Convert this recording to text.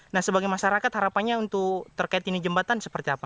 nah sebagai masyarakat harapannya untuk terkait ini jembatan seperti apa